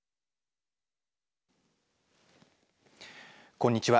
こんにちは。